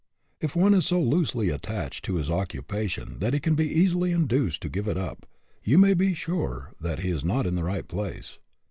If one is so loosely attached to his occupation that he can be easily induced to give it up, you may be sure that he is not in the right place.